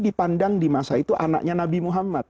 dipandang di masa itu anaknya nabi muhammad